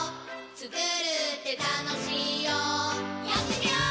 つくるってたのしいよやってみよー！